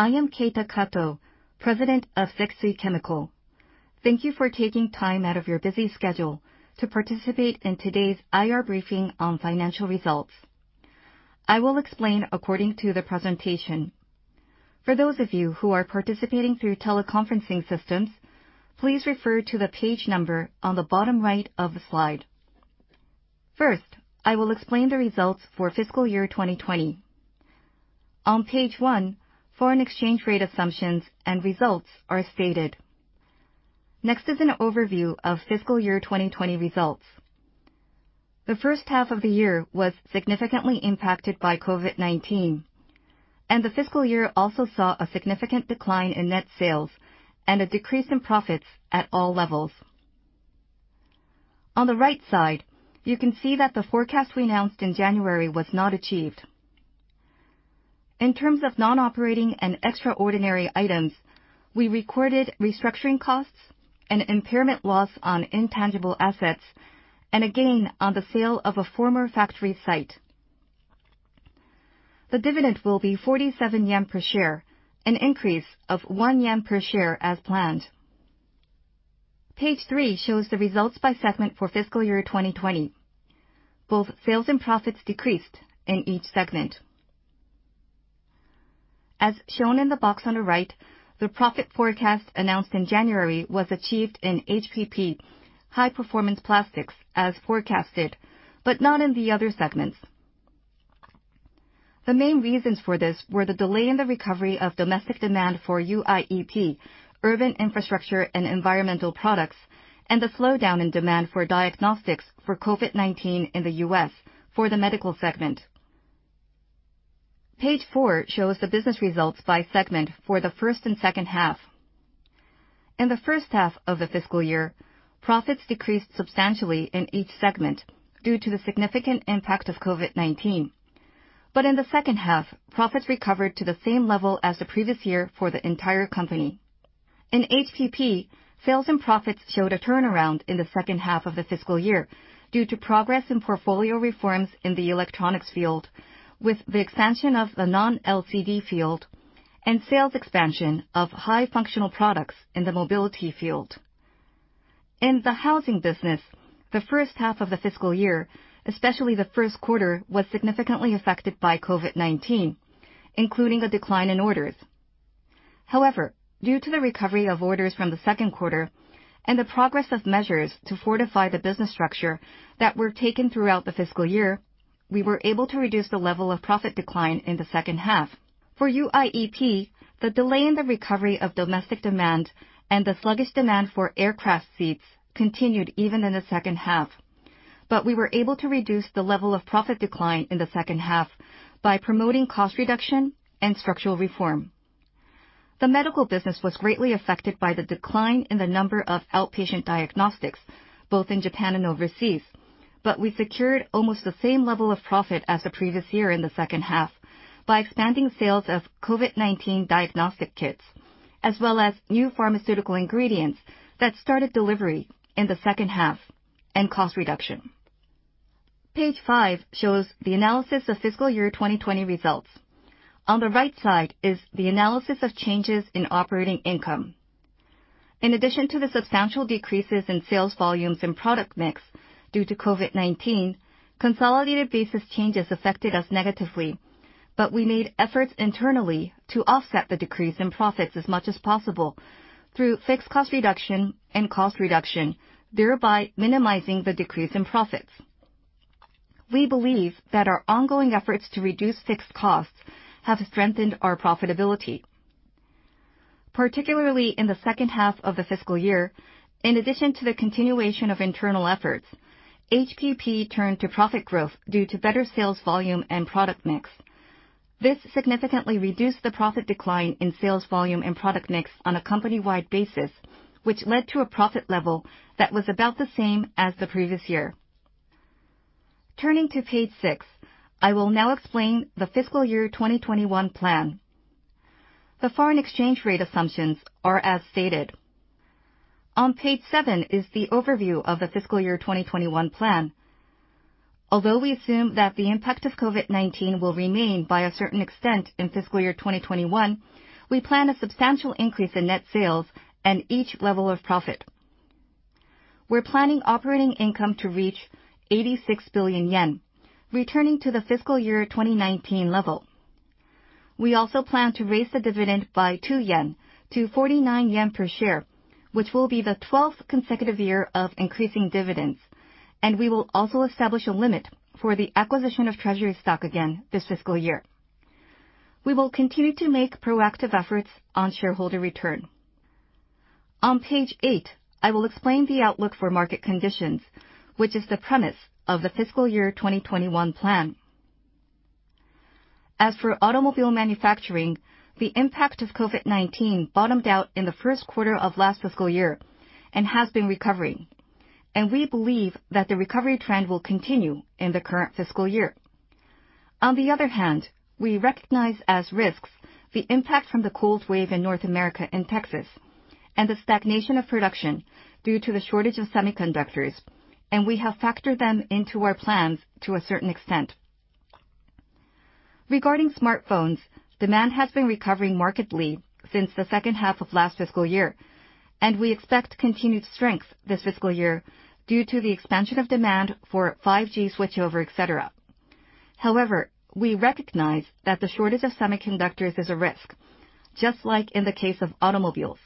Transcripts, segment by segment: I am Keita Kato, president of Sekisui Chemical. Thank you for taking time out of your busy schedule to participate in today's IR briefing on financial results. I will explain according to the presentation. For those of you who are participating through teleconferencing systems, please refer to the page number on the bottom right of the slide. First, I will explain the results for fiscal year 2020. On page one, foreign exchange rate assumptions and results are stated. Next is an overview of fiscal year 2020 results. The first half of the year was significantly impacted by COVID-19, the fiscal year also saw a significant decline in net sales and a decrease in profits at all levels. On the right side, you can see that the forecast we announced in January was not achieved. In terms of non-operating and extraordinary items, we recorded restructuring costs and impairment loss on intangible assets and a gain on the sale of a former factory site. The dividend will be 47 yen per share, an increase of one yen per share as planned. Page three shows the results by segment for fiscal year 2020. Both sales and profits decreased in each segment. As shown in the box on the right, the profit forecast announced in January was achieved in HPP, high performance plastics, as forecasted, but not in the other segments. The main reasons for this were the delay in the recovery of domestic demand for UIEP, urban infrastructure and environmental products, and the slowdown in demand for diagnostics for COVID-19 in the U.S. for the medical segment. Page four shows the business results by segment for the first and second half. In the first half of the fiscal year, profits decreased substantially in each segment due to the significant impact of COVID-19. In the second half, profits recovered to the same level as the previous year for the entire company. In HPP, sales and profits showed a turnaround in the second half of the fiscal year due to progress in portfolio reforms in the electronics field, with the expansion of the non-LCD field and sales expansion of high functional products in the mobility field. In the housing business, the first half of the fiscal year, especially the first quarter, was significantly affected by COVID-19, including a decline in orders. Due to the recovery of orders from the second quarter and the progress of measures to fortify the business structure that were taken throughout the fiscal year, we were able to reduce the level of profit decline in the second half. For UIEP, the delay in the recovery of domestic demand and the sluggish demand for aircraft seats continued even in the second half. We were able to reduce the level of profit decline in the second half by promoting cost reduction and structural reform. The medical business was greatly affected by the decline in the number of outpatient diagnostics both in Japan and overseas. We secured almost the same level of profit as the previous year in the second half by expanding sales of COVID-19 diagnostic kits, as well as new pharmaceutical ingredients that started delivery in the second half and cost reduction. Page five shows the analysis of fiscal year 2020 results. On the right side is the analysis of changes in operating income. In addition to the substantial decreases in sales volumes and product mix due to COVID-19, consolidated basis changes affected us negatively. We made efforts internally to offset the decrease in profits as much as possible through fixed cost reduction and cost reduction, thereby minimizing the decrease in profits. We believe that our ongoing efforts to reduce fixed costs have strengthened our profitability. Particularly in the second half of the fiscal year, in addition to the continuation of internal efforts, HPP turned to profit growth due to better sales volume and product mix. This significantly reduced the profit decline in sales volume and product mix on a company-wide basis, which led to a profit level that was about the same as the previous year. Turning to page six, I will now explain the fiscal year 2021 plan. The foreign exchange rate assumptions are as stated. On page seven is the overview of the fiscal year 2021 plan. We assume that the impact of COVID-19 will remain by a certain extent in fiscal year 2021, we plan a substantial increase in net sales and each level of profit. We're planning operating income to reach 86 billion yen, returning to the fiscal year 2019 level. We also plan to raise the dividend by 2-49 yen per share, which will be the 12th consecutive year of increasing dividends. We will also establish a limit for the acquisition of treasury stock again this fiscal year. We will continue to make proactive efforts on shareholder return. On page eight, I will explain the outlook for market conditions, which is the premise of the fiscal year 2021 plan. As for automobile manufacturing, the impact of COVID-19 bottomed out in the first quarter of last fiscal year and has been recovering. We believe that the recovery trend will continue in the current fiscal year. On the other hand, we recognize as risks the impact from the cold wave in North America and Texas. The stagnation of production due to the shortage of semiconductors, and we have factored them into our plans to a certain extent. Regarding smartphones, demand has been recovering markedly since the second half of last fiscal year, and we expect continued strength this fiscal year due to the expansion of demand for 5G switchover, et cetera. However, we recognize that the shortage of semiconductors is a risk, just like in the case of automobiles.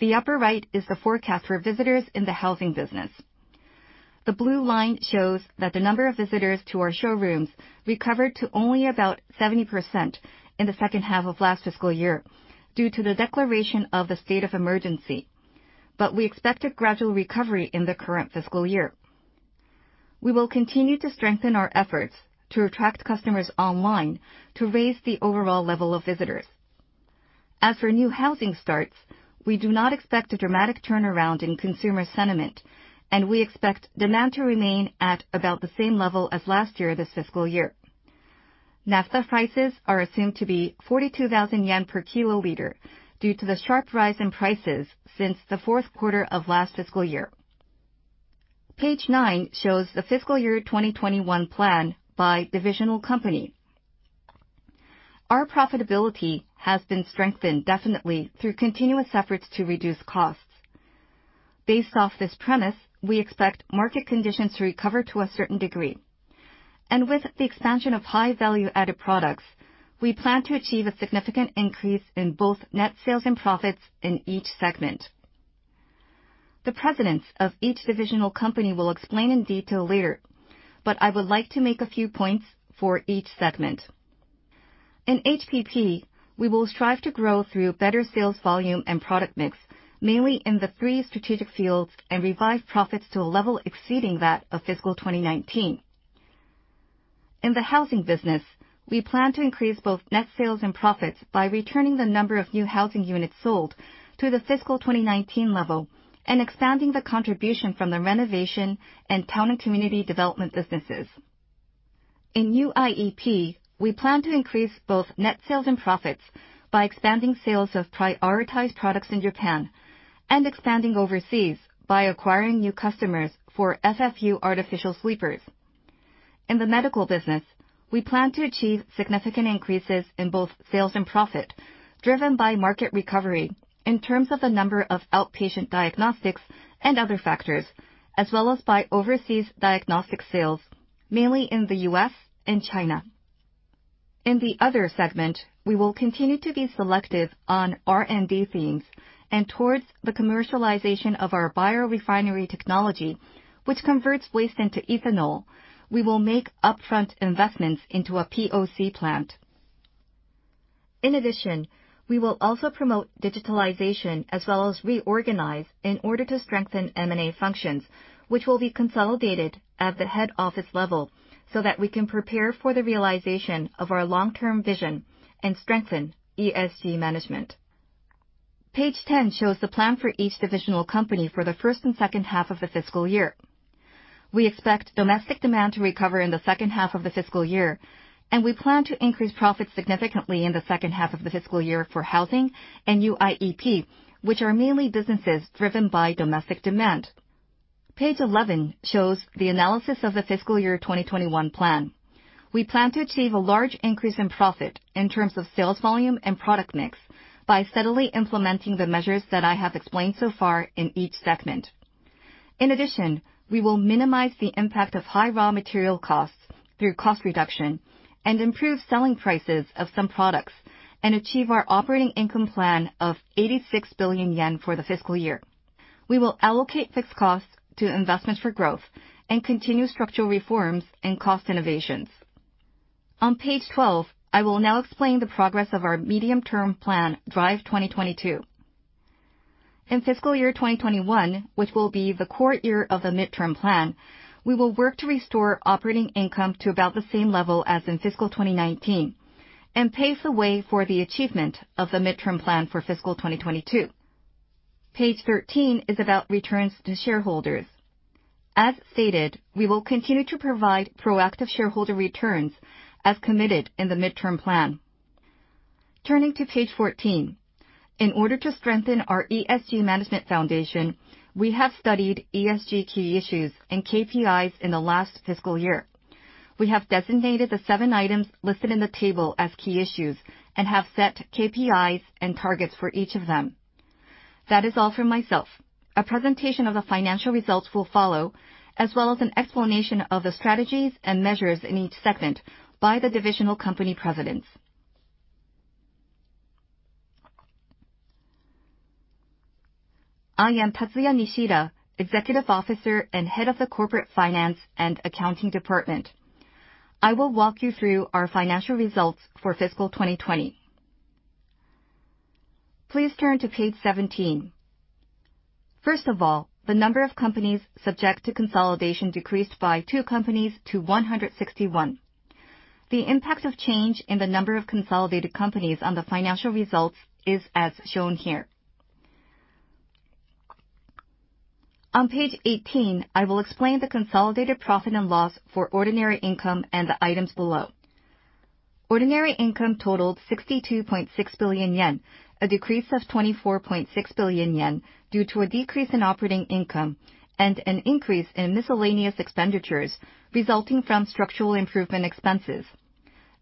The upper right is the forecast for visitors in the housing business. The blue line shows that the number of visitors to our showrooms recovered to only about 70% in the second half of last fiscal year due to the declaration of the state of emergency. We expect a gradual recovery in the current fiscal year. We will continue to strengthen our efforts to attract customers online to raise the overall level of visitors. As for new housing starts, we do not expect a dramatic turnaround in consumer sentiment, and we expect demand to remain at about the same level as last year, this fiscal year. Naphtha prices are assumed to be 42,000 yen per kiloliter due to the sharp rise in prices since the fourth quarter of last fiscal year. Page nine shows the fiscal year 2021 plan by divisional company. Our profitability has been strengthened definitely through continuous efforts to reduce costs. Based off this premise, we expect market conditions to recover to a certain degree. With the expansion of high value-added products, we plan to achieve a significant increase in both net sales and profits in each segment. The presidents of each divisional company will explain in detail later, but I would like to make a few points for each segment. In HPP, we will strive to grow through better sales volume and product mix, mainly in the three strategic fields, and revise profits to a level exceeding that of fiscal 2019. In the housing business, we plan to increase both net sales and profits by returning the number of new housing units sold to the fiscal 2019 level and expanding the contribution from the renovation and town and community development businesses. In UIEP, we plan to increase both net sales and profits by expanding sales of prioritized products in Japan and expanding overseas by acquiring new customers for FFU artificial sleepers. In the medical business, we plan to achieve significant increases in both sales and profit, driven by market recovery in terms of the number of outpatient diagnostics and other factors, as well as by overseas diagnostic sales, mainly in the U.S. and China. In the other segment, we will continue to be selective on R&D themes and towards the commercialization of our bio-refinery technology, which converts waste into ethanol. We will make upfront investments into a POC plant. We will also promote digitalization as well as reorganize in order to strengthen M&A functions, which will be consolidated at the head office level so that we can prepare for the realization of our long-term vision and strengthen ESG management. Page 10 shows the plan for each divisional company for the first and second half of the fiscal year. We expect domestic demand to recover in the second half of the fiscal year, and we plan to increase profits significantly in the second half of the fiscal year for housing and UIEP, which are mainly businesses driven by domestic demand. Page 11 shows the analysis of the fiscal year 2021 plan. We plan to achieve a large increase in profit in terms of sales volume and product mix by steadily implementing the measures that I have explained so far in each segment. In addition, we will minimize the impact of high raw material costs through cost reduction and improve selling prices of some products and achieve our operating income plan of 86 billion yen for the fiscal year. We will allocate fixed costs to investments for growth and continue structural reforms and cost innovations. On page 12, I will now explain the progress of our medium-term plan, Drive 2022. In fiscal year 2021, which will be the core year of the midterm plan, we will work to restore operating income to about the same level as in fiscal 2019 and pave the way for the achievement of the midterm plan for fiscal 2022. Page 13 is about returns to shareholders. As stated, we will continue to provide proactive shareholder returns as committed in the midterm plan. Turning to page 14. In order to strengthen our ESG management foundation, we have studied ESG key issues and KPIs in the last fiscal year. We have designated the seven items listed in the table as key issues and have set KPIs and targets for each of them. That is all from myself. A presentation of the financial results will follow, as well as an explanation of the strategies and measures in each segment by the divisional company presidents. I am Tatsuya Nishida, Executive Officer and Head of the Corporate Finance and Accounting Department. I will walk you through our financial results for fiscal 2020. Please turn to page 17. First of all, the number of companies subject to consolidation decreased by two companies to 161. The impact of change in the number of consolidated companies on the financial results is as shown here. On page 18, I will explain the consolidated profit and loss for ordinary income and the items below. Ordinary income totaled 62.6 billion yen, a decrease of 24.6 billion yen due to a decrease in operating income and an increase in miscellaneous expenditures, resulting from structural improvement expenses.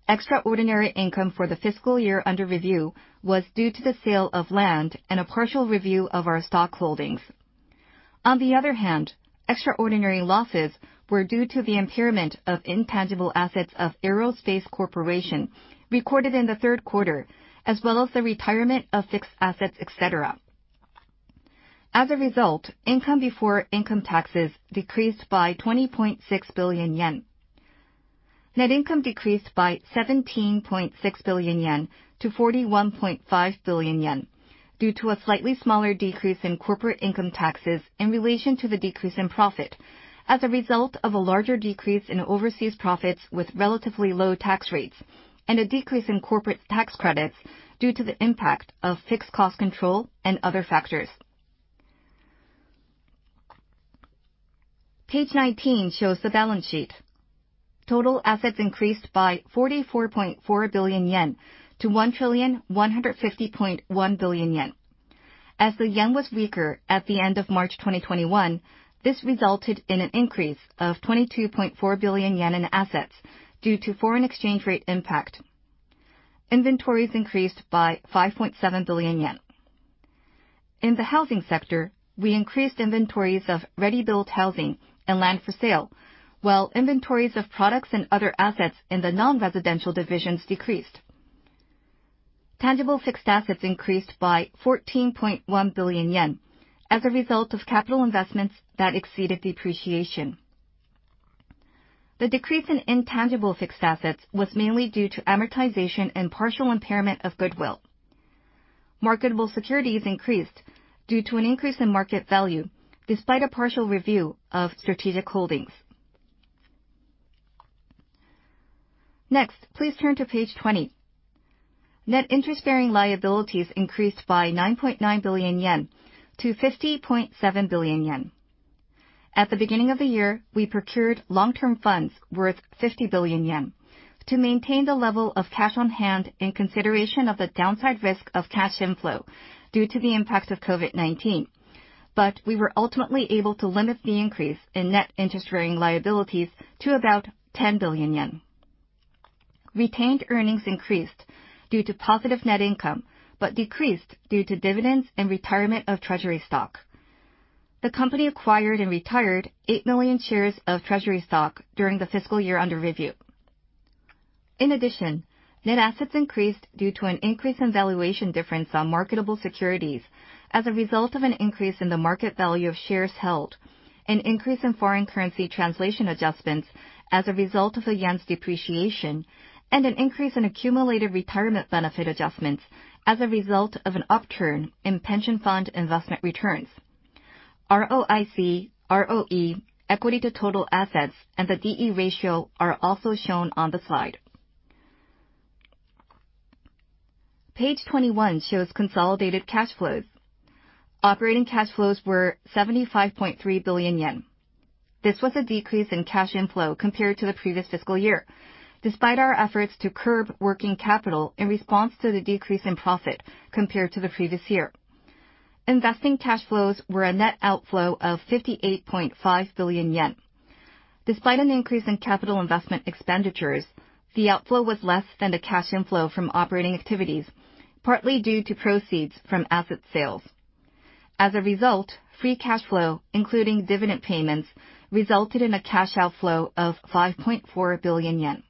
Extraordinary income for the fiscal year under review was due to the sale of land and a partial review of our stock holdings. On the other hand, extraordinary losses were due to the impairment of intangible assets of Sekisui Aerospace Corporation, recorded in the third quarter, as well as the retirement of fixed assets, et cetera. As a result, income before income taxes decreased by 20.6 billion yen. Net income decreased by 17.6 billion yen to 41.5 billion yen due to a slightly smaller decrease in corporate income taxes in relation to the decrease in profit as a result of a larger decrease in overseas profits with relatively low tax rates, and a decrease in corporate tax credits due to the impact of fixed cost control and other factors. Page 19 shows the balance sheet. Total assets increased by 44.4 billion yen to 1,150.1 billion yen. As the yen was weaker at the end of March 2021, this resulted in an increase of 22.4 billion yen in assets due to foreign exchange rate impact. Inventories increased by 5.7 billion yen. In the housing sector, we increased inventories of ready-built housing and land for sale, while inventories of products and other assets in the non-residential divisions decreased. Tangible fixed assets increased by 14.1 billion yen as a result of capital investments that exceeded depreciation. The decrease in intangible fixed assets was mainly due to amortization and partial impairment of goodwill. Marketable securities increased due to an increase in market value, despite a partial review of strategic holdings. Next, please turn to page 20. Net interest-bearing liabilities increased by 9.9 billion-50.7 billion yen. At the beginning of the year, we procured long-term funds worth 50 billion yen to maintain the level of cash on hand in consideration of the downside risk of cash inflow due to the impact of COVID-19. We were ultimately able to limit the increase in net interest-bearing liabilities to about 10 billion yen. Retained earnings increased due to positive net income, but decreased due to dividends and retirement of treasury stock. The company acquired and retired eight million shares of treasury stock during the fiscal year under review. In addition, net assets increased due to an increase in valuation difference on marketable securities as a result of an increase in the market value of shares held, an increase in foreign currency translation adjustments as a result of the yen's depreciation, and an increase in accumulated retirement benefit adjustments as a result of an upturn in pension fund investment returns. ROIC, ROE, equity to total assets, and the D/E ratio are also shown on the slide. Page 21 shows consolidated cash flows. Operating cash flows were 75.3 billion yen. This was a decrease in cash inflow compared to the previous fiscal year, despite our efforts to curb working capital in response to the decrease in profit compared to the previous year. Investing cash flows were a net outflow of 58.5 billion yen. Despite an increase in capital investment expenditures, the outflow was less than the cash inflow from operating activities, partly due to proceeds from asset sales. As a result, free cash flow, including dividend payments, resulted in a cash outflow of 5.4 billion yen.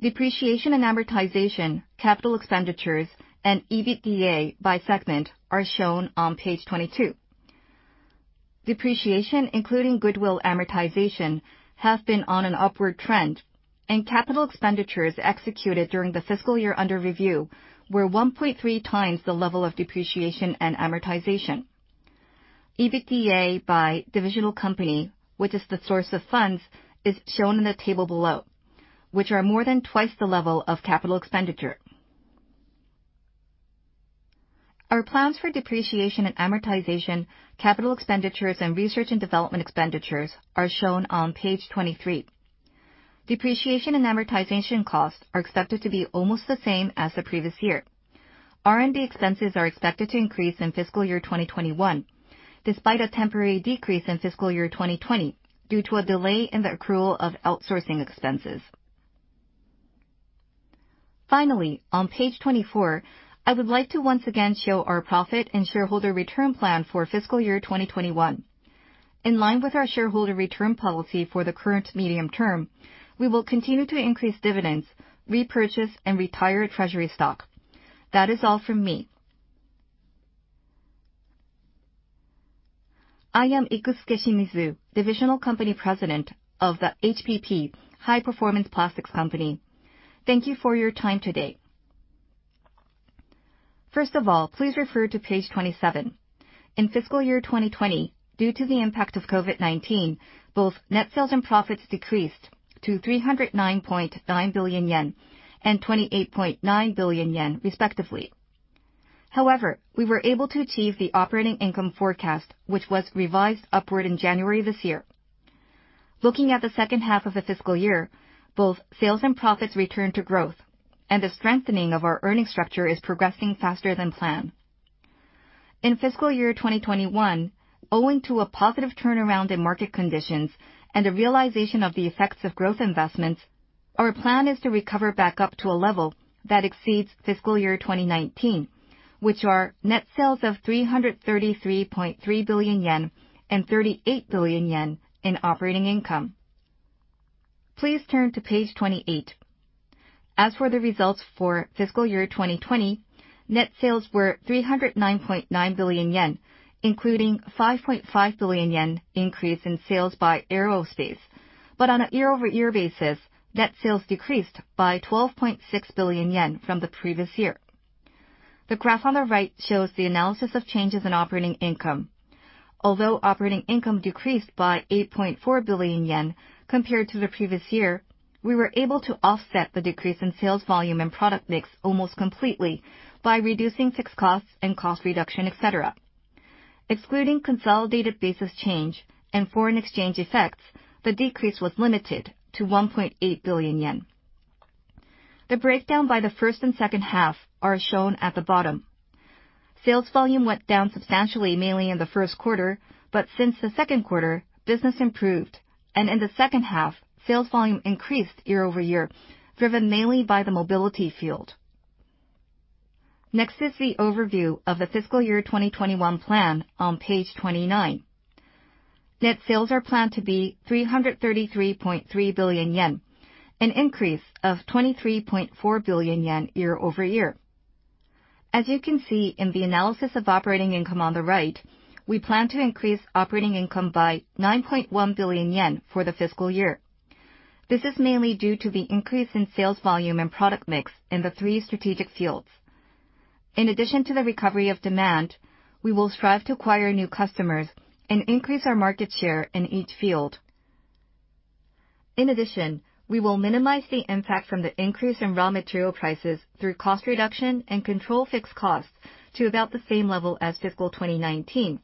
Depreciation and amortization, capital expenditures, and EBITDA by segment are shown on page 22. Depreciation, including goodwill amortization, has been on an upward trend. Capital expenditures executed during the fiscal year under review were 1.3 times the level of depreciation and amortization. EBITDA by divisional company, which is the source of funds, is shown in the table below, which are more than two times the level of capital expenditure. Our plans for depreciation and amortization, capital expenditures, and research and development expenditures are shown on page 23. Depreciation and amortization costs are expected to be almost the same as the previous year. R&D expenses are expected to increase in fiscal year 2021, despite a temporary decrease in fiscal year 2020 due to a delay in the accrual of outsourcing expenses. Finally, on page 24, I would like to once again show our profit and shareholder return plan for fiscal year 2021. In line with our shareholder return policy for the current medium term, we will continue to increase dividends, repurchase and retire treasury stock. That is all from me. I am Ikusuke Shimizu, Divisional Company President of the HPP, High Performance Plastics Company. Thank you for your time today. Please refer to page 27. In fiscal year 2020, due to the impact of COVID-19, both net sales and profits decreased to 309.9 billion yen and 28.9 billion yen respectively. We were able to achieve the operating income forecast, which was revised upward in January this year. Looking at the second half of the fiscal year, both sales and profits return to growth, and the strengthening of our earning structure is progressing faster than planned. In fiscal year 2021, owing to a positive turnaround in market conditions and the realization of the effects of growth investments, our plan is to recover back up to a level that exceeds fiscal year 2019, which are net sales of 333.3 billion yen and 38 billion yen in operating income. Please turn to page 28. As for the results for fiscal year 2020, net sales were 309.9 billion yen, including 5.5 billion yen increase in sales by Aerospace. On a year-over-year basis, net sales decreased by 12.6 billion yen from the previous year. The graph on the right shows the analysis of changes in operating income. Although operating income decreased by 8.4 billion yen compared to the previous year, we were able to offset the decrease in sales volume and product mix almost completely by reducing fixed costs and cost reduction, et cetera. Excluding consolidated basis change and foreign exchange effects, the decrease was limited to 1.8 billion yen. The breakdown by the first and second half are shown at the bottom. Sales volume went down substantially, mainly in the first quarter, but since the second quarter, business improved, and in the second half, sales volume increased year-over-year, driven mainly by the mobility field. Next is the overview of the fiscal year 2021 plan on page 29. Net sales are planned to be 333.3 billion yen, an increase of 23.4 billion yen year-over-year. As you can see in the analysis of operating income on the right, we plan to increase operating income by 9.1 billion yen for the fiscal year. This is mainly due to the increase in sales volume and product mix in the three strategic fields. In addition to the recovery of demand, we will strive to acquire new customers and increase our market share in each field. We will minimize the impact from the increase in raw material prices through cost reduction and control fixed costs to about the same level as fiscal 2019,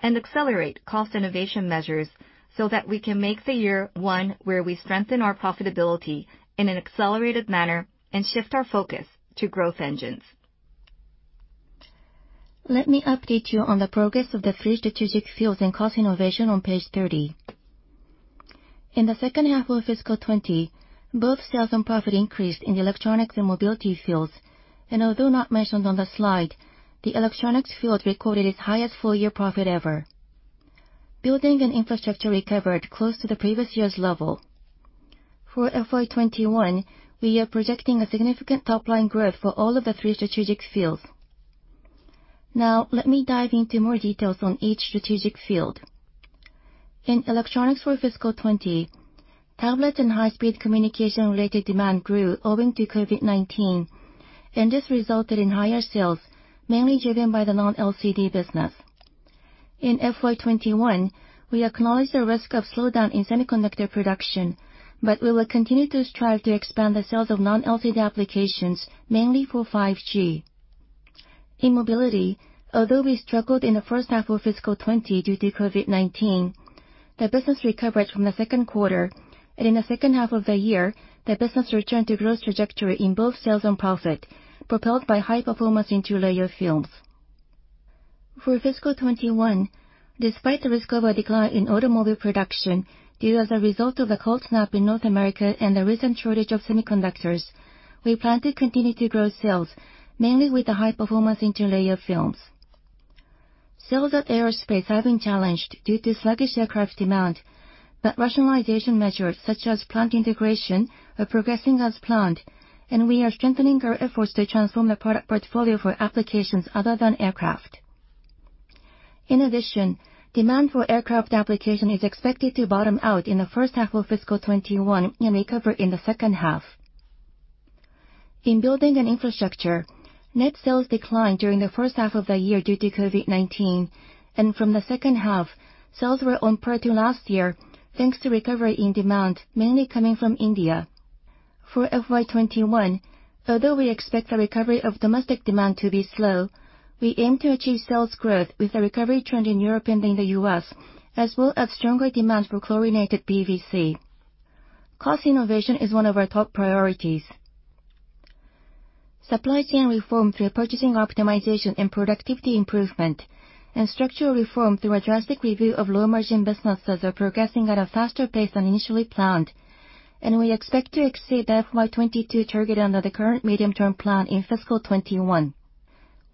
and accelerate cost innovation measures so that we can make the year one where we strengthen our profitability in an accelerated manner and shift our focus to growth engines. Let me update you on the progress of the three strategic fields in cost innovation on page 30. In the second half of fiscal 2020, both sales and profit increased in the Electronics and Mobility fields. Although not mentioned on the slide, the Electronics field recorded its highest full year profit ever. Building and Infrastructure recovered close to the previous year's level. For FY 2021, we are projecting a significant top-line growth for all of the three strategic fields. Let me dive into more details on each strategic field. In Electronics for fiscal 2020, tablets and high speed communication related demand grew owing to COVID-19. This resulted in higher sales, mainly driven by the non-LCD business. In FY 2021, we acknowledge the risk of slowdown in semiconductor production, we will continue to strive to expand the sales of non-LCD applications, mainly for 5G. In mobility, although we struggled in the first half of fiscal 2020 due to COVID-19, the business recovered from the second quarter. In the second half of the year, the business returned to growth trajectory in both sales and profit, propelled by high performance interlayer films. For fiscal 2021, despite the risk of a decline in automobile production due as a result of the cold snap in North America and the recent shortage of semiconductors, we plan to continue to grow sales, mainly with the high performance interlayer films. Sales at Aerospace have been challenged due to sluggish aircraft demand, but rationalization measures such as plant integration are progressing as planned, and we are strengthening our efforts to transform the product portfolio for applications other than aircraft. In addition, demand for aircraft application is expected to bottom out in the first half of fiscal 2021 and recover in the second half. In Building and Infrastructure, net sales declined during the first half of the year due to COVID-19, and from the second half, sales were on par to last year, thanks to recovery in demand, mainly coming from India. For FY 2021, although we expect the recovery of domestic demand to be slow, we aim to achieve sales growth with a recovery trend in Europe and in the U.S., as well as stronger demand for chlorinated PVC. Cost innovation is one of our top priorities. Supply chain reform through purchasing optimization and productivity improvement, and structural reform through a drastic review of low-margin businesses are progressing at a faster pace than initially planned. We expect to exceed the FY 2022 target under the current medium-term plan in fiscal 2021.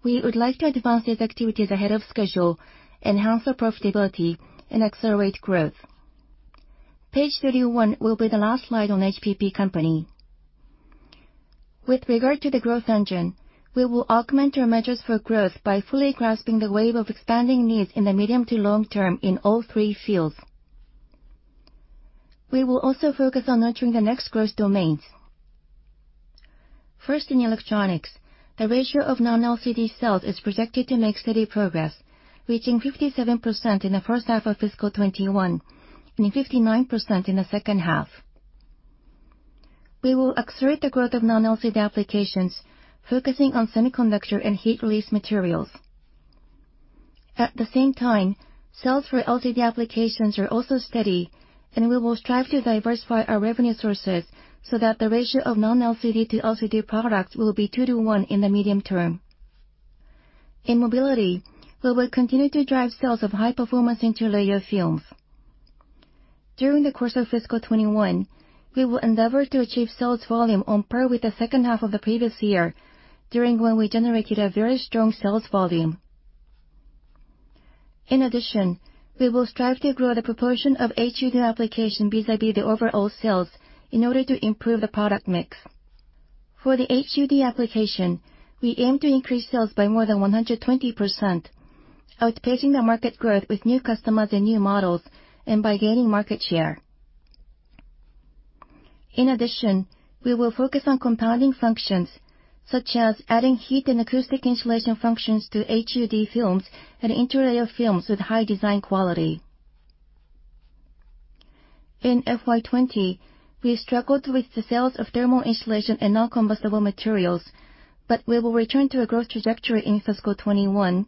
We would like to advance these activities ahead of schedule, enhance our profitability, and accelerate growth. Page 31 will be the last slide on HPP Company. With regard to the growth engine, we will augment our measures for growth by fully grasping the wave of expanding needs in the medium- to long-term in all three fields. We will also focus on nurturing the next growth domains. First, in electronics, the ratio of non-LCD sales is projected to make steady progress, reaching 57% in the first half of fiscal 2021 and 59% in the second half. We will accelerate the growth of non-LCD applications, focusing on semiconductor and heat release materials. At the same time, sales for LCD applications are also steady, and we will strive to diversify our revenue sources so that the ratio of non-LCD to LCD products will be 2:1 in the medium term. In mobility, we will continue to drive sales of high-performance interlayer films. During the course of fiscal 2021, we will endeavor to achieve sales volume on par with the second half of the previous year, during when we generated a very strong sales volume. In addition, we will strive to grow the proportion of HUD application vis-a-vis the overall sales in order to improve the product mix. For the HUD application, we aim to increase sales by more than 120%, outpacing the market growth with new customers and new models, and by gaining market share. In addition, we will focus on compounding functions, such as adding heat and acoustic insulation functions to HUD films and interlayer films with high design quality. In FY 2020, we struggled with the sales of thermal insulation and non-combustible materials, but we will return to a growth trajectory in fiscal 2021,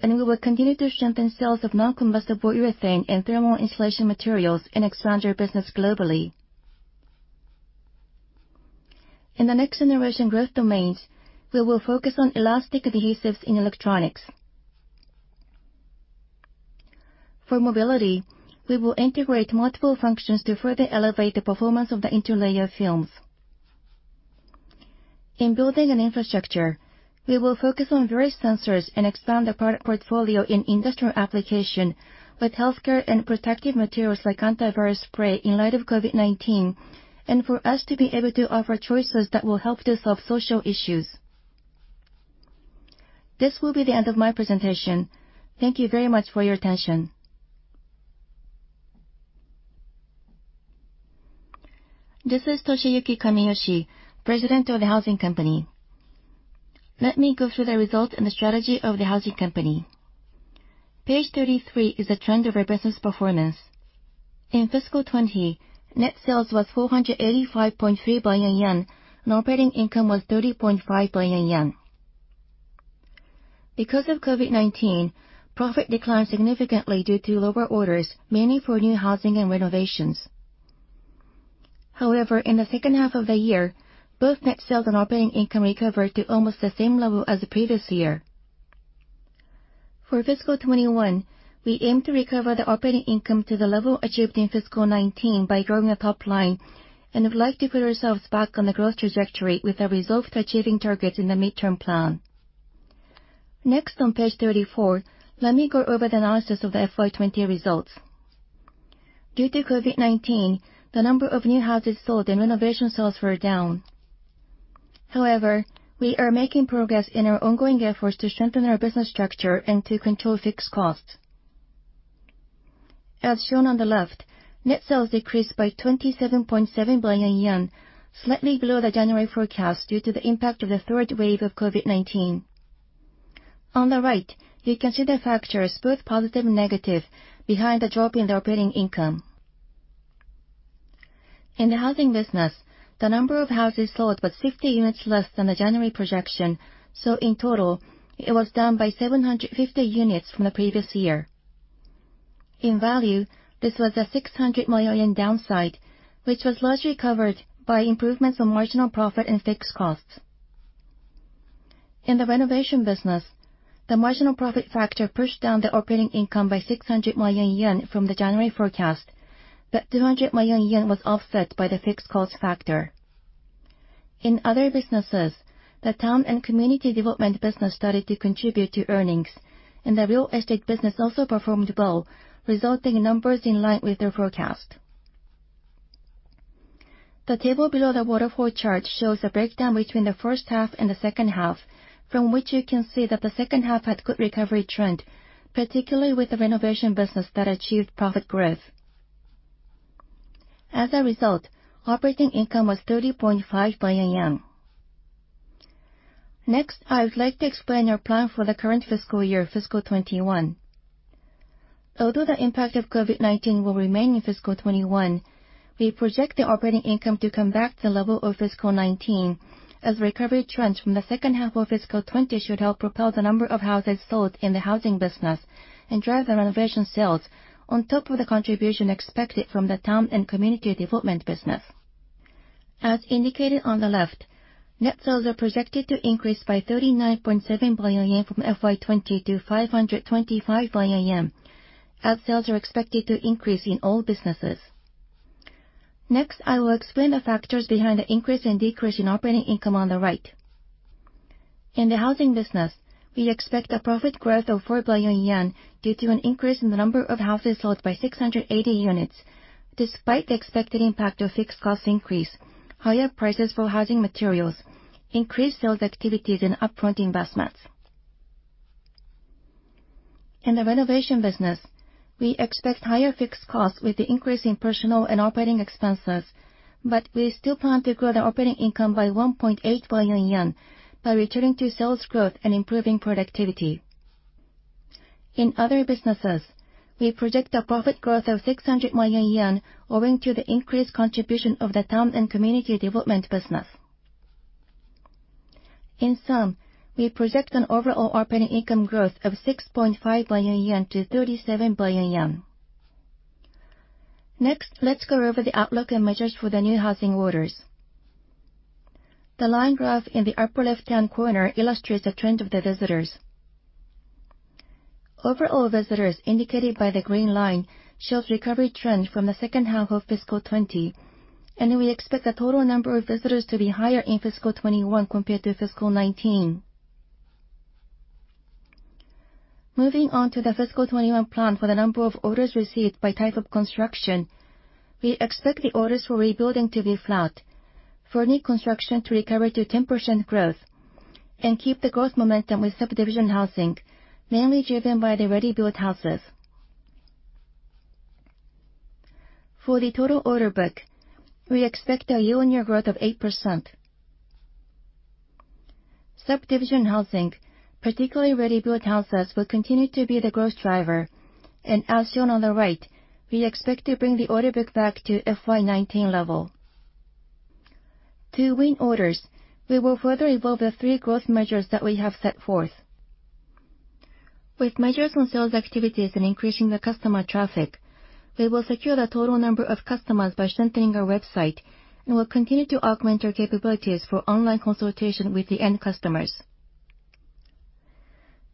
and we will continue to strengthen sales of non-combustible urethane and thermal insulation materials and expand our business globally. In the next generation growth domains, we will focus on elastic adhesives in electronics. For mobility, we will integrate multiple functions to further elevate the performance of the interlayer films. In building an infrastructure, we will focus on various sensors and expand the product portfolio in industrial application with healthcare and protective materials like antivirus spray in light of COVID-19, and for us to be able to offer choices that will help to solve social issues. This will be the end of my presentation. Thank you very much for your attention. This is Toshiyuki Kamiyoshi, President of the Housing Company. Let me go through the results and the strategy of the Housing Company. Page 33 is a trend of our business performance. In fiscal 2020, net sales was 485.3 billion yen, and operating income was 30.5 billion yen. Because of COVID-19, profit declined significantly due to lower orders, mainly for new housing and renovations. However, in the second half of the year, both net sales and operating income recovered to almost the same level as the previous year. For fiscal 2021, we aim to recover the operating income to the level achieved in fiscal 2019 by growing the top line, and would like to put ourselves back on the growth trajectory with a resolve to achieving targets in the midterm plan. Next, on page 34, let me go over the analysis of the FY 2020 results. Due to COVID-19, the number of new houses sold and renovation sales were down. However, we are making progress in our ongoing efforts to strengthen our business structure and to control fixed costs. As shown on the left, net sales decreased by 27.7 billion yen, slightly below the January forecast due to the impact of the third wave of COVID-19. On the right, you can see the factors, both positive and negative, behind the drop in the operating income. In the housing business, the number of houses sold was 50 units less than the January projection, so in total, it was down by 750 units from the previous year. In value, this was a 600 million yen downside, which was largely covered by improvements in marginal profit and fixed costs. In the renovation business, the marginal profit factor pushed down the operating income by 600 million yen from the January forecast, but 200 million yen was offset by the fixed cost factor. In other businesses, the town and community development business started to contribute to earnings, and the real estate business also performed well, resulting in numbers in line with their forecast. The table below the waterfall chart shows a breakdown between the first half and the second half, from which you can see that the second half had good recovery trend, particularly with the renovation business that achieved profit growth. As a result, operating income was 30.5 billion yen. I would like to explain our plan for the current fiscal year, fiscal 2021. Although the impact of COVID-19 will remain in fiscal 2021, we project the operating income to come back to the level of fiscal 2019, as recovery trends from the second half of fiscal 2020 should help propel the number of houses sold in the housing business and drive the renovation sales, on top of the contribution expected from the town and community development business. As indicated on the left, net sales are projected to increase by 39.7 billion yen from FY 2020 to 525 billion yen. Our sales are expected to increase in all businesses. Next, I will explain the factors behind the increase and decrease in operating income on the right. In the housing business, we expect a profit growth of 4 billion yen due to an increase in the number of houses sold by 680 units, despite the expected impact of fixed cost increase, higher prices for housing materials, increased sales activities, and upfront investments. In the renovation business, we expect higher fixed costs with the increase in personnel and operating expenses, but we still plan to grow the operating income by 1.8 billion yen by returning to sales growth and improving productivity. In other businesses, we project a profit growth of 600 million yen owing to the increased contribution of the towns and community development business. In sum, we project an overall operating income growth of 6.5 billion-37 billion yen. Next, let's go over the outlook and measures for the new housing orders. The line graph in the upper left-hand corner illustrates the trend of the visitors. Overall visitors, indicated by the green line, shows recovery trend from the second half of fiscal 2020. We expect the total number of visitors to be higher in fiscal 2021 compared to fiscal year 2019. Moving on to the fiscal 2021 plan for the number of orders received by type of construction. We expect the orders for rebuilding to be flat, for new construction to recover to 10% growth. Keep the growth momentum with subdivision housing, mainly driven by the ready-built houses. For the total order book, we expect a year-on-year growth of 8%. Subdivision housing, particularly ready-built houses, will continue to be the growth driver. As shown on the right, we expect to bring the order book back to FY 2019 level. To win orders, we will further evolve the three growth measures that we have set forth. With measures on sales activities and increasing the customer traffic, we will secure the total number of customers by strengthening our website and will continue to augment our capabilities for online consultation with the end customers.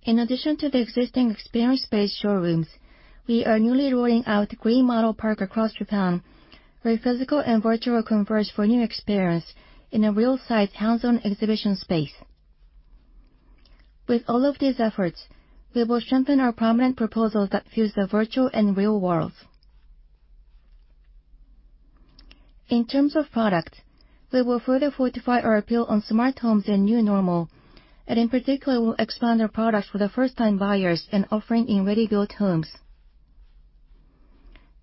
In addition to the existing experience-based showrooms, we are newly rolling out Green Model Park across Japan, where physical and virtual converge for new experience in a real site hands-on exhibition space. With all of these efforts, we will strengthen our prominent proposals that fuse the virtual and real worlds. In terms of product, we will further fortify our appeal on smart homes and new normal, and in particular, we'll expand our products for the first-time buyers and offering in ready-built homes.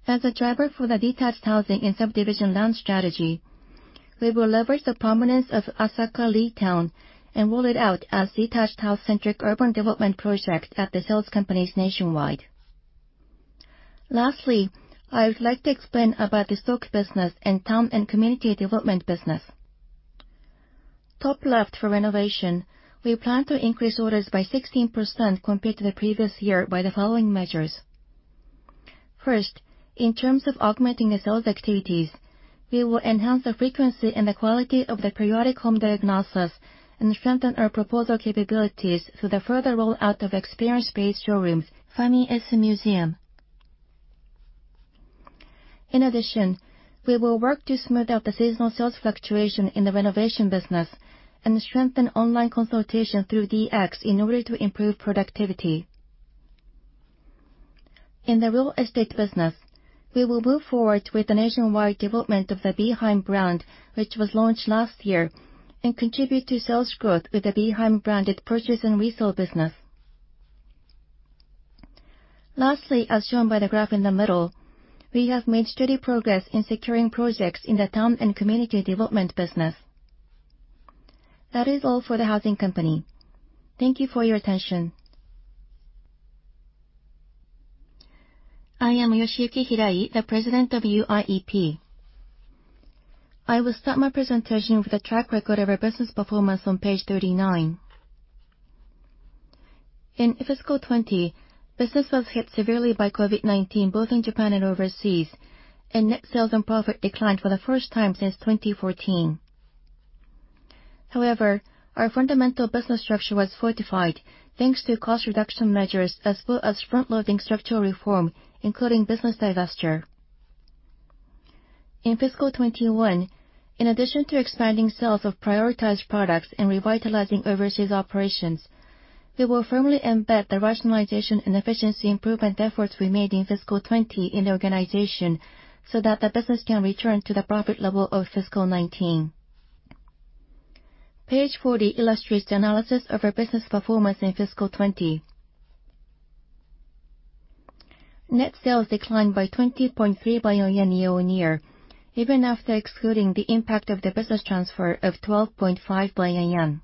As a driver for the detached housing and subdivision land strategy, we will leverage the prominence of Asaka Leadtown and roll it out as detached house centric urban development project at the sales companies nationwide. Lastly, I would like to explain about the stock business and town and community development business. Top left for renovation, we plan to increase orders by 16% compared to the previous year by the following measures. First, in terms of augmenting the sales activities, we will enhance the frequency and the quality of the periodic home diagnosis and strengthen our proposal capabilities through the further rollout of experience-based showrooms, FamiES Museum. In addition, we will work to smooth out the seasonal sales fluctuation in the renovation business and strengthen online consultation through DX in order to improve productivity. In the real estate business, we will move forward with the nationwide development of the Be Heim brand, which was launched last year, and contribute to sales growth with the Be Heim branded purchase and resale business. Lastly, as shown by the graph in the middle, we have made steady progress in securing projects in the town and community development business. That is all for the housing company. Thank you for your attention. I am Yoshiyuki Hirai, the President of UIEP. I will start my presentation with a track record of our business performance on page 39. In fiscal 2020, business was hit severely by COVID-19, both in Japan and overseas, and net sales and profit declined for the first time since 2014. However, our fundamental business structure was fortified thanks to cost reduction measures, as well as front-loading structural reform, including business divesture. In fiscal 2021, in addition to expanding sales of prioritized products and revitalizing overseas operations, we will firmly embed the rationalization and efficiency improvement efforts we made in fiscal 2020 in the organization so that the business can return to the profit level of fiscal 2019. Page 40 illustrates the analysis of our business performance in fiscal 2020. Net sales declined by 20.3 billion yen year-on-year, even after excluding the impact of the business transfer of 12.5 billion yen.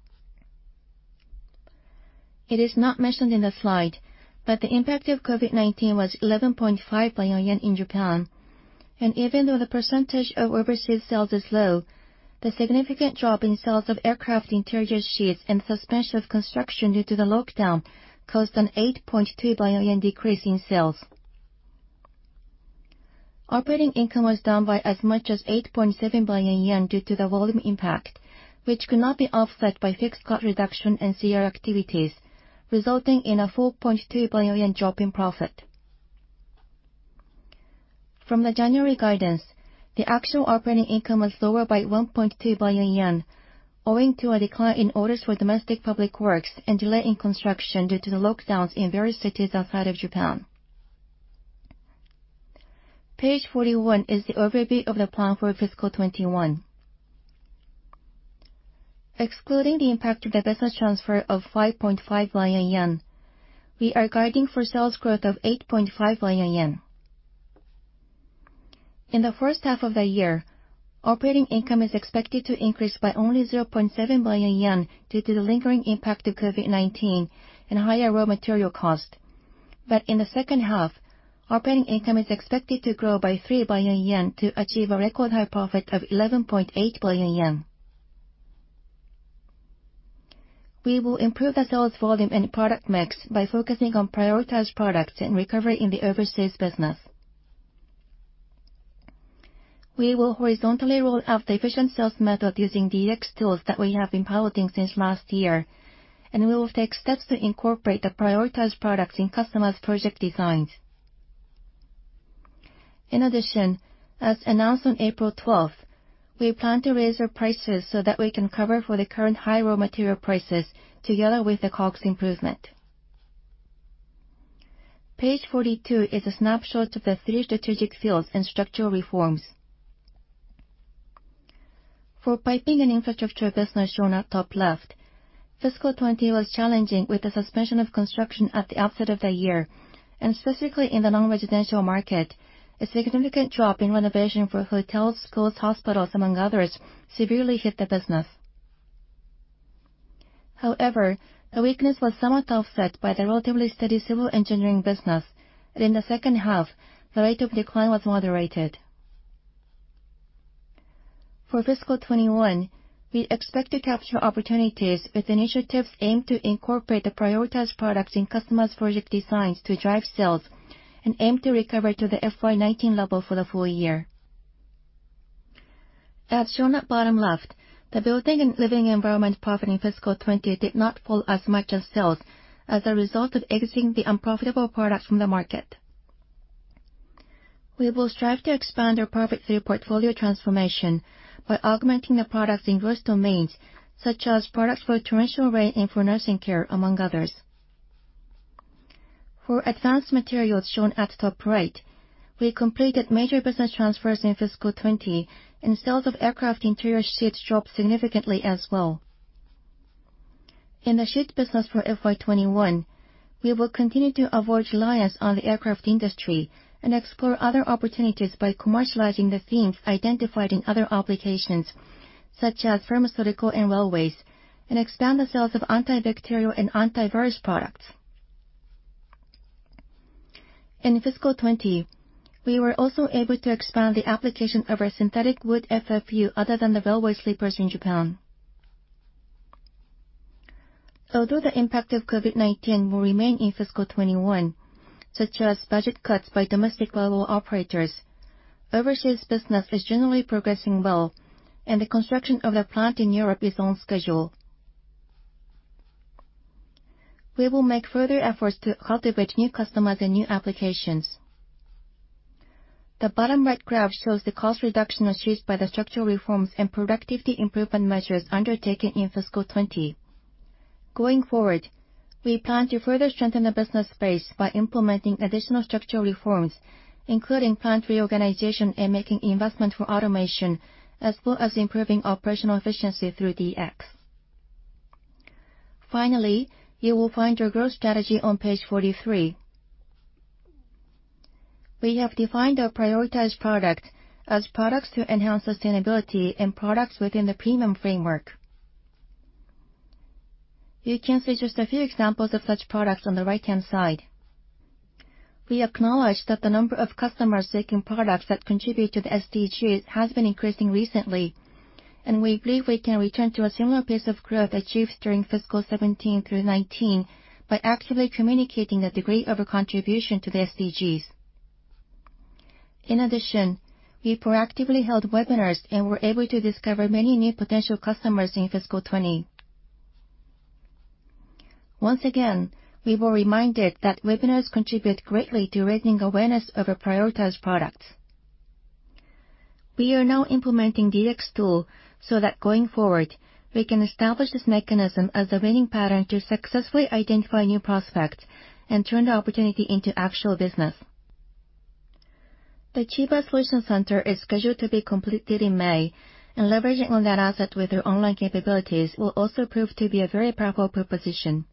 It is not mentioned in the slide, but the impact of COVID-19 was 11.5 billion yen in Japan, and even though the percentage of overseas sales is low, the significant drop in sales of aircraft interior sheets and suspension of construction due to the lockdown caused an 8.2 billion decrease in sales. Operating income was down by as much as 8.7 billion yen due to the volume impact, which could not be offset by fixed cost reduction and CR activities, resulting in a JPY 4.2 billion drop in profit. From the January guidance, the actual operating income was lower by 1.2 billion yen owing to a decline in orders for domestic public works and delay in construction due to the lockdowns in various cities outside of Japan. Page 41 is the overview of the plan for fiscal 2021. Excluding the impact of the business transfer of 5.5 billion yen, we are guiding for sales growth of 8.5 billion yen. In the first half of the year, operating income is expected to increase by only 0.7 billion yen due to the lingering impact of COVID-19 and higher raw material cost. In the second half, operating income is expected to grow by 3 billion yen to achieve a record high profit of 11.8 billion yen. We will improve the sales volume and product mix by focusing on prioritized products and recovery in the overseas business. We will horizontally roll out the efficient sales method using the DX tools that we have been piloting since last year, and we will take steps to incorporate the prioritized products in customers' project designs. In addition, as announced on April 12, we plan to raise our prices so that we can cover for the current high raw material prices together with the COGS improvement. Page 42 is a snapshot of the three strategic fields and structural reforms. For piping and infrastructure business shown at top left, fiscal 2020 was challenging with the suspension of construction at the outset of the year, and specifically in the non-residential market, a significant drop in renovation for hotels, schools, hospitals, among others, severely hit the business. The weakness was somewhat offset by the relatively steady civil engineering business, and in the second half, the rate of decline was moderated. For fiscal 2021, we expect to capture opportunities with initiatives aimed to incorporate the prioritized products in customers' project designs to drive sales and aim to recover to the FY 2019 level for the full year. As shown at bottom left, the building and living environment profit in fiscal 2020 did not fall as much as sales as a result of exiting the unprofitable product from the market. We will strive to expand our profit through portfolio transformation by augmenting the products in growth domains, such as products for torrential rain and for nursing care, among others. For advanced materials shown at top right, we completed major business transfers in fiscal 2020, and sales of aircraft interior sheets dropped significantly as well. In the sheets business for FY 2021, we will continue to avoid reliance on the aircraft industry and explore other opportunities by commercializing the themes identified in other applications such as pharmaceutical and railways, and expand the sales of antibacterial and antivirus products. In fiscal 2020, we were also able to expand the application of our synthetic wood FFU other than the railway sleepers in Japan. Although the impact of COVID-19 will remain in fiscal 2021, such as budget cuts by domestic railway operators, overseas business is generally progressing well, and the construction of the plant in Europe is on schedule. We will make further efforts to cultivate new customers and new applications. The bottom right graph shows the cost reduction achieved by the structural reforms and productivity improvement measures undertaken in fiscal 2020. Going forward, we plan to further strengthen the business base by implementing additional structural reforms, including plant reorganization and making investment for automation, as well as improving operational efficiency through DX. Finally, you will find our growth strategy on page 43. We have defined our prioritized product as products to enhance sustainability and products within the premium framework. You can see just a few examples of such products on the right-hand side. We acknowledge that the number of customers seeking products that contribute to the SDGs has been increasing recently, and we believe we can return to a similar pace of growth achieved during fiscal 2017 through 2019 by actively communicating the degree of contribution to the SDGs. In addition, we proactively held webinars and were able to discover many new potential customers in fiscal 2020. Once again, we were reminded that webinars contribute greatly to raising awareness of our prioritized products. We are now implementing DX tool so that going forward, we can establish this mechanism as the winning pattern to successfully identify new prospects and turn the opportunity into actual business. The Chiba Solution Center is scheduled to be completed in May, and leveraging on that asset with our online capabilities will also prove to be a very powerful proposition.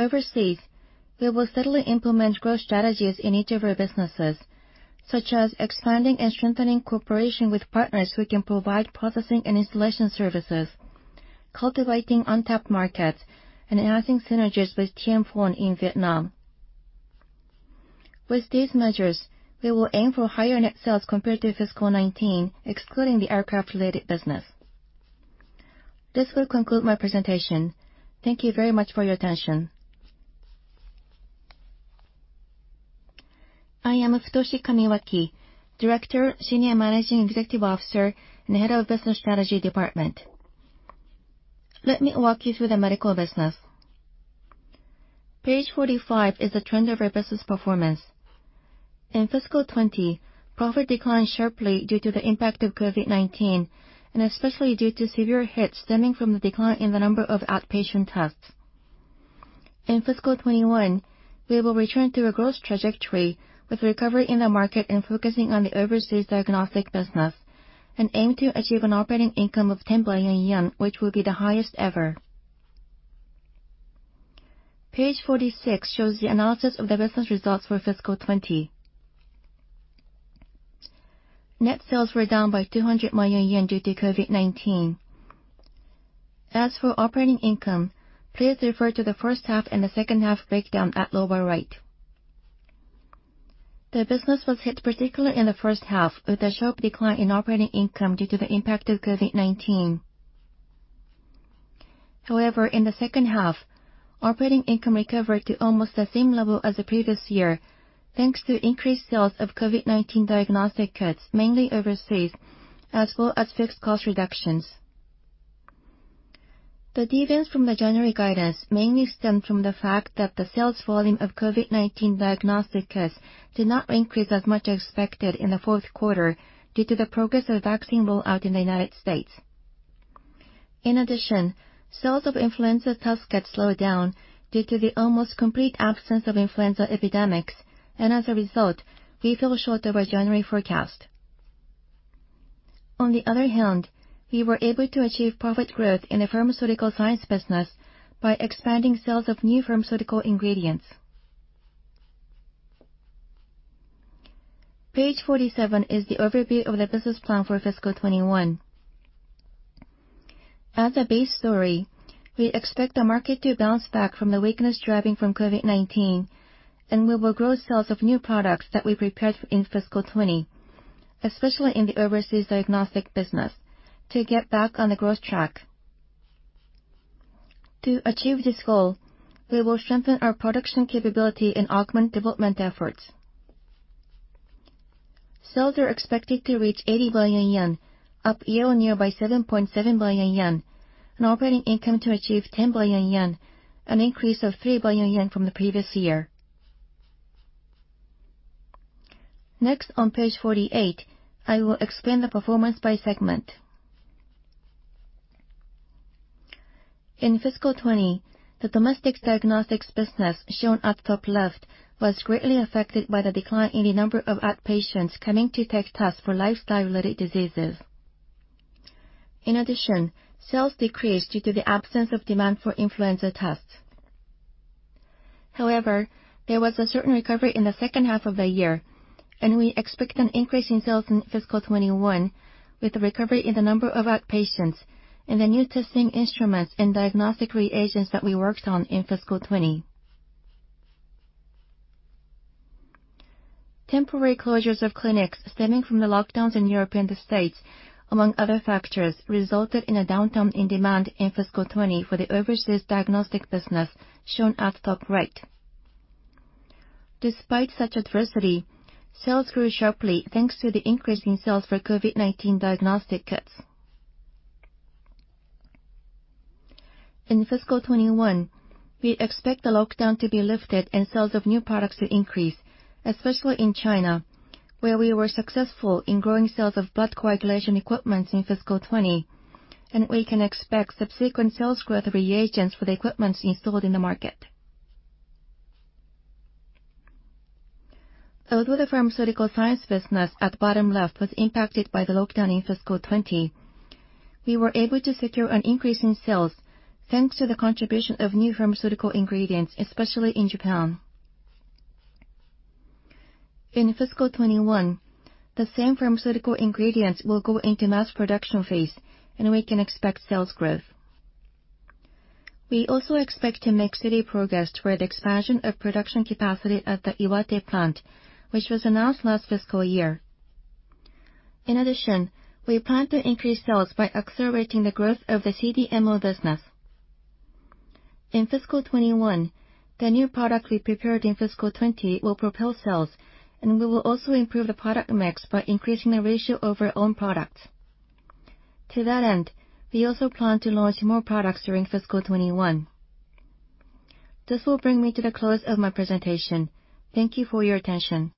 Overseas, we will steadily implement growth strategies in each of our businesses, such as expanding and strengthening cooperation with partners who can provide processing and installation services, cultivating untapped markets, and enhancing synergies with Tien Phong in Vietnam. With these measures, we will aim for higher net sales compared to fiscal 2019, excluding the aircraft related business. This will conclude my presentation. Thank you very much for your attention. I am Futoshi Kamiwaki, Director, Senior Managing Executive Officer, and Head of Business Strategy Department. Let me walk you through the medical business. Page 45 is the trend of our business performance. In fiscal 2020, profit declined sharply due to the impact of COVID-19 and especially due to severe hits stemming from the decline in the number of outpatient tests. In fiscal 2021, we will return to a growth trajectory with recovery in the market and focusing on the overseas diagnostic business, and aim to achieve an operating income of 10 billion yen, which will be the highest ever. Page 46 shows the analysis of the business results for fiscal 2020. Net sales were down by 200 million yen due to COVID-19. As for operating income, please refer to the first half and the second half breakdown at lower right. The business was hit particularly in the first half, with a sharp decline in operating income due to the impact of COVID-19. In the second half, operating income recovered to almost the same level as the previous year, thanks to increased sales of COVID-19 diagnostic kits, mainly overseas, as well as fixed cost reductions. The deviation from the January guidance mainly stemmed from the fact that the sales volume of COVID-19 diagnostic tests did not increase as much as expected in the fourth quarter due to the progress of the vaccine rollout in the U.S. Sales of influenza tests slowed down due to the almost complete absence of influenza epidemics, and as a result, we fell short of our January forecast. We were able to achieve profit growth in the pharmaceutical science business by expanding sales of new pharmaceutical ingredients. Page 47 is the overview of the business plan for fiscal 2021. As a base story, we expect the market to bounce back from the weakness driven by COVID-19. We will grow sales of new products that we prepared in fiscal 2020, especially in the overseas diagnostic business, to get back on the growth track. To achieve this goal, we will strengthen our production capability and augment development efforts. Sales are expected to reach 80 billion yen, up year-over-year by 7.7 billion yen, and operating income to achieve 10 billion yen, an increase of 3 billion yen from the previous year. Next, on page 48, I will explain the performance by segment. In fiscal 2020, the domestic diagnostics business, shown at top left, was greatly affected by the decline in the number of outpatients coming to take tests for lifestyle-related diseases. Sales decreased due to the absence of demand for influenza tests. However, there was a certain recovery in the second half of the year, and we expect an increase in sales in fiscal 2021 with a recovery in the number of outpatients and the new testing instruments and diagnostic reagents that we worked on in fiscal 2020. Temporary closures of clinics stemming from the lockdowns in Europe and the States, among other factors, resulted in a downturn in demand in fiscal 2020 for the overseas diagnostic business, shown at top right. Despite such adversity, sales grew sharply, thanks to the increase in sales for COVID-19 diagnostic kits. In fiscal 2021, we expect the lockdown to be lifted and sales of new products to increase, especially in China, where we were successful in growing sales of blood coagulation equipment in fiscal 2020, and we can expect subsequent sales growth of reagents for the equipment installed in the market. Although the pharmaceutical science business at bottom left was impacted by the lockdown in fiscal 2020, we were able to secure an increase in sales thanks to the contribution of new pharmaceutical ingredients, especially in Japan. In fiscal 2021, the same pharmaceutical ingredients will go into mass production phase. We can expect sales growth. We also expect to make steady progress toward expansion of production capacity at the Iwate plant, which was announced last fiscal year. In addition, we plan to increase sales by accelerating the growth of the CDMO business. In fiscal 2021, the new product we prepared in fiscal 2020 will propel sales. We will also improve the product mix by increasing the ratio of our own products. To that end, we also plan to launch more products during fiscal 2021. This will bring me to the close of my presentation. Thank you for your attention.